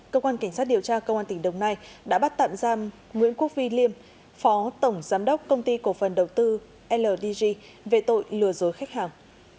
cơ quan cảnh sát điều tra công an tỉnh đồng nai đã bắt tạm giam nguyễn quốc vy liêm phó tổng giám đốc công ty cổ phần đầu tư ldg về tội lừa dối khách hàng